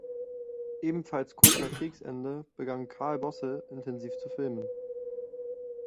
Ebenfalls kurz nach Kriegsende begann Carl Bosse intensiv zu filmen.